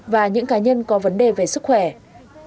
và những cải thiện của các cơ quan chức năng nước này